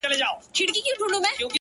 ښكل مي كړلې!